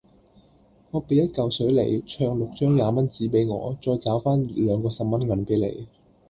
我俾一舊水你，唱六張廿蚊紙俾我，再找返兩個十蚊銀俾你